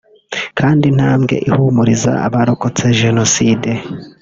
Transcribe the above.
kandi intambwe ihumuriza abarokotse Jenoside